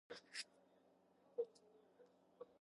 მაღალი სიმაღლის გამო ზამთარი ცივია და გზები იყინება.